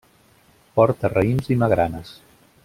Porta raïms i magranes.